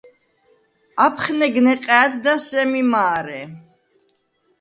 აფხნეგ ნეყა̄̈დდა სემი მა̄რე.